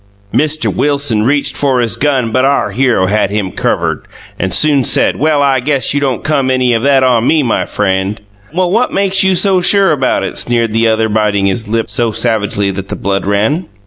Mr. Wilson reched for his gun but our hero had him covred and soon said Well I guess you don't come any of that on me my freind. Well what makes you so sure about it sneered the other bitting his lip so savageley that the blood ran.